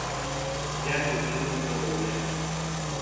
Llarga vida al parauler.